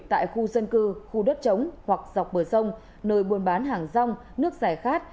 tại khu dân cư khu đất chống hoặc dọc bờ sông nơi buôn bán hàng rong nước giải khát